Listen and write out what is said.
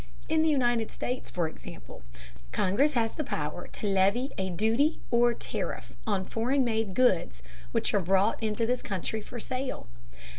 In the United States, for example, Congress has the power to levy a duty or tariff on foreign made goods which are brought into this country for sale.